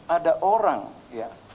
ada orang ya